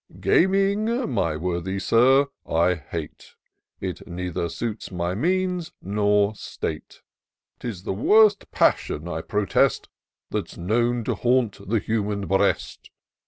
Gaming, my worthy Sir, I hate ; It neither suits my means nor state : "lis the worst passion, I protest. That's known to haunt the human breast.